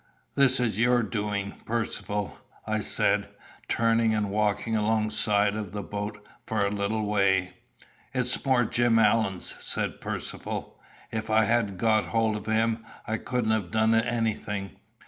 "This is your doing, Percivale," I said, turning and walking alongside of the boat for a little way. "It's more Jim Allen's," said Percivale. "If I hadn't got a hold of him I couldn't have done anything."